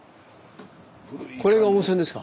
これが温泉ですか？